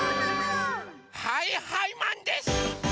はいはいマンです！